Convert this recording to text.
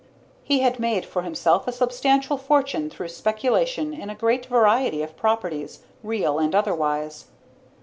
He had made for himself a substantial fortune through speculation in a great variety of properties, real and otherwise.